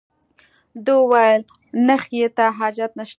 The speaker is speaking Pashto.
ده وویل نخښې ته حاجت نشته.